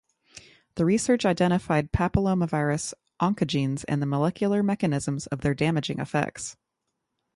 The research identified papillomavirus oncogenes and the molecular mechanisms of their damaging effects.